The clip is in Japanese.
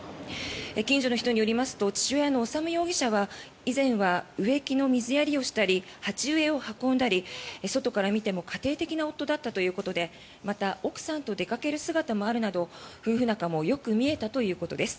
近所の人によりますと父親の修容疑者は以前は植木の水やりをしたり鉢植えを運んだり外から見ても家庭的な夫だったということでまた、奥さんと出かける姿もあるなど夫婦仲もよく見えたということです。